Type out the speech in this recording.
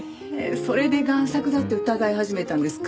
それで贋作だって疑い始めたんですか？